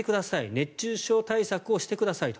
熱中症対策をしてくださいと。